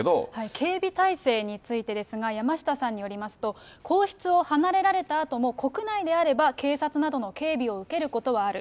警備体制についてですが、山下さんによりますと、皇室を離れられたあとも、国内であれば警察などの警備を受けることはある。